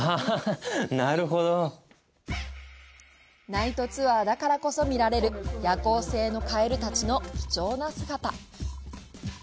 ナイトツアーだからこそ見られる夜行性のカエルたちの貴重な姿。